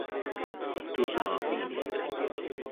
Tu diavînî.